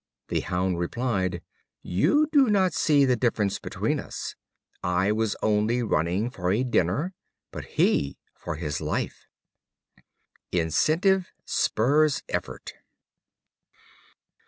The hound replied; "You do not see the difference between us; I was only running for a dinner, but he for his life." Incentive spurs effort.